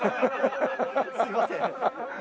すいません。